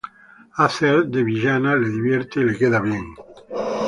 Hacer de villana le divierte y le queda bien.